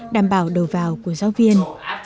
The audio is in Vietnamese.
đảm bảo đầu vào của giáo viên